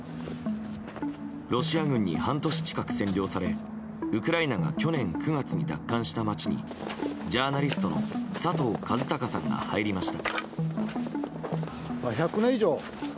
ロシア軍に半年近く占領されウクライナが去年９月に奪還した街にジャーナリストの佐藤和孝さんが入りました。